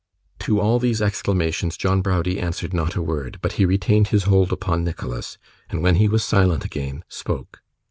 To all these exclamations John Browdie answered not a word, but he retained his hold upon Nicholas; and when he was silent again, spoke.